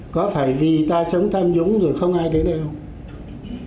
có phải vì ta chống tăm dũng rồi không ai đến đây không